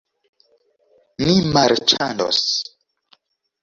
Ni marĉandos.